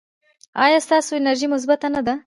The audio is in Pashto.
ایا ستاسو انرژي مثبت نه ده؟